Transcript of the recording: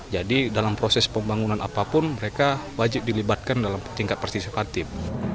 jadi dalam proses pembangunan apapun mereka wajib dilibatkan dalam tingkat persisifatif